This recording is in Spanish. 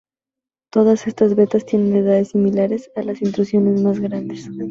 Todas estas vetas tienen edades similares a las intrusiones más grandes.